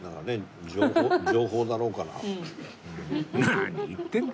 何言ってんだか